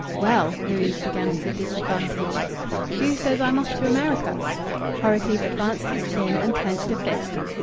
"Well " Louis began at a disadvantage. "Who says I'm off to America?" Horrocleave advanced his chin and clenched a fist.